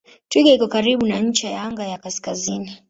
Twiga iko karibu na ncha ya anga ya kaskazini.